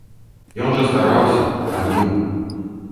Ён жа стараўся, рабіў.